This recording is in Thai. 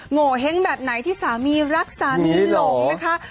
โงเห้งแบบไหนที่สามีรักสามีหลงนะคะ